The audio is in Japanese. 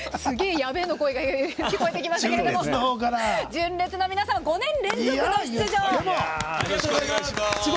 やべえ！という声が聞こえてきましたが純烈の皆さん、５年連続の出場。